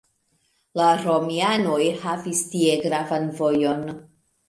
La romianoj havis tie gravan vojon.